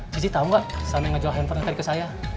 cici tau gak selama ngejual handphone tadi ke saya